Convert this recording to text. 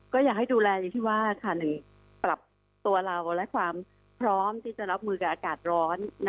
ก็อยากให้ดูแลอย่างที่ว่าค่ะหนึ่งปรับตัวเราและความพร้อมที่จะรับมือกับอากาศร้อน